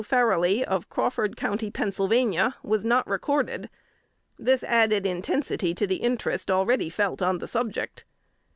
Farrelly of Crawford county, Pennsylvania, was not recorded. This added intensity to the interest already felt on the subject.